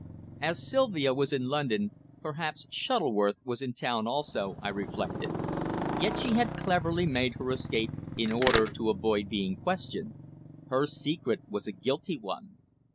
As Sylvia was in London, perhaps Shuttleworth was in town also, I reflected. Yet she had cleverly made her escape in order to avoid being questioned. Her secret was a guilty one!